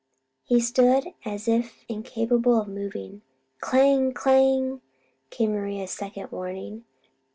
He stood as if incapable of moving. "Clang! Clang!" came Maria's second warning.